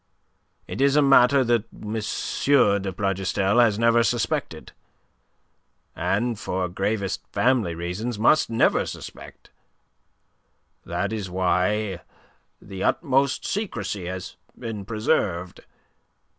It is a matter that M. de Plougastel has never suspected, and for gravest family reasons must never suspect. That is why the utmost secrecy has been preserved.